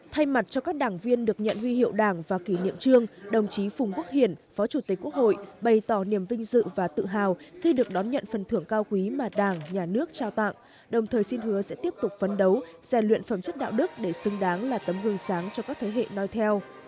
thay mặt cho các đảng viên được nhận huy hiệu đảng và kỷ niệm trương đồng chí phùng quốc hiển phó chủ tịch quốc hội bày tỏ niềm vinh dự và tự hào khi được đón nhận phần thưởng cao quý mà đảng nhà nước trao tặng đồng thời xin hứa sẽ tiếp tục phấn đấu rèn luyện phẩm chất đạo đức để xứng đáng là tấm gương sáng cho các thế hệ nói theo